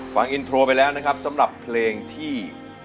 ฟังอินโทรไปแล้วนะครับสำหรับเพลงที่